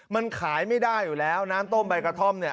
มันขายไม่ได้อยู่แล้วน้ำต้มใบกระท่อมเนี่ย